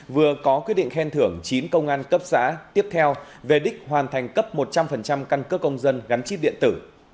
vừa có quyết định khen thưởng chín công an cấp xã tiếp theo về đích hoàn thành cấp một trăm linh căn cước công dân gắn chip điện tử